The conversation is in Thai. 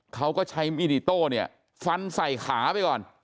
เขาก็ใช้มีดอิโต้เนี่ยฟันใส่ขาไปก่อน